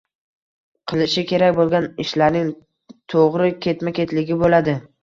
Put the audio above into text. – qilinishi kerak bo‘lgan ishlarning to‘g‘ri ketma-ketligi bo‘ladi.